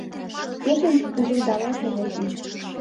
Кечын ужылдалаш огеш лий.